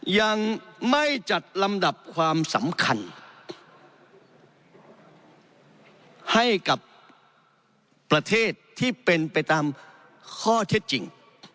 ยังไม่จัดลำดับความสำคัญให้กับประเทศที่เป็นไปตามข้อเท็จจริง